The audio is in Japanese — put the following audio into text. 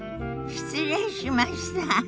失礼しました。